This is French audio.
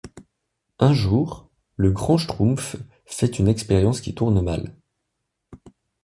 Un jour, le Grand Schtroumpf fait une expérience qui tourne mal.